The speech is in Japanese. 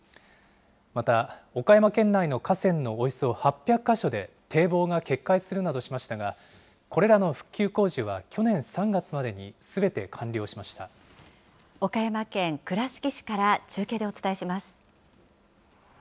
また、岡山県内の河川のおよそ８００か所で、堤防が決壊するなどしましたが、これらの復旧工事は去年３月までにすべて完了しまし岡山県倉敷市から中継でお伝えします。